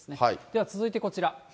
では、続いてこちら。